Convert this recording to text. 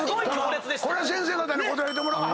これは先生方に答えてもらおう。